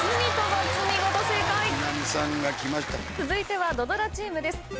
続いては土ドラチームです。